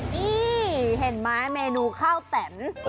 นี่เห็นไหมเมนูข้าวแต่น